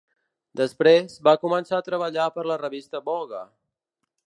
Després, va començar a treballar per a la revista Vogue.